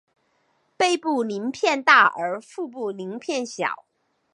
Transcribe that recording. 背部鳞片大而腹部鳞片小。